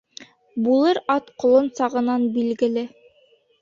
Булыр ат ҡолон сағынан билгеле